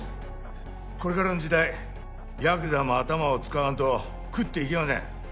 これからの時代ヤクザも頭を使わんと食っていけません。